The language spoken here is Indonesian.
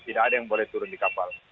tidak ada yang boleh turun di kapal